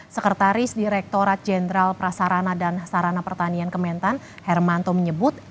sekretaris direkturat jenderal prasarana dan sarana pertanian kementan hermanto menyebut